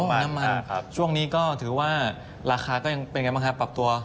น้ำมันช่วงนี้ก็ถือว่าราคาก็ยังเป็นไงบ้างครับปรับตัว